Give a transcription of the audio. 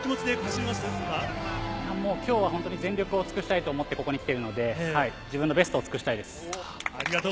今日は全力を尽くしたいと思って、ここに来ているので、自分のベストを尽くしたいです。